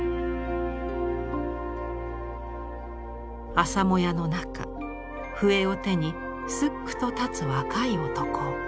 朝もやの中笛を手にすっくと立つ若い男。